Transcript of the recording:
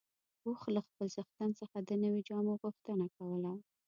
اوښ له خپل څښتن څخه د نويو جامو غوښتنه کوله.